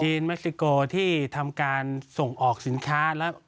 จีนเมริกาที่ทำการส่งออกสินค้า